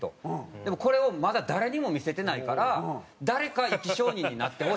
「でもこれをまだ誰にも見せてないから誰か生き証人になってほしい」って。